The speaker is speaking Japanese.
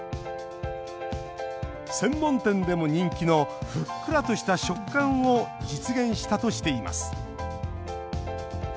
専門店でも人気のふっくらとした食感を実現したとしています。